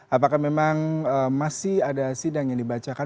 apakah memang masih ada sidang yang dibacakan